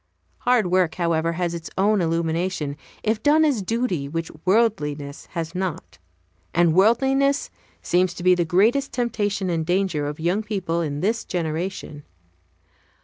Hard work, however, has its own illumination if done as duty which worldliness has not; and worldliness seems to be the greatest temptation and danger Of young people in this generation.